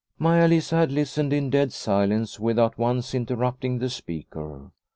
Maia Lisa had listened in dead silence without once interrupting the speaker.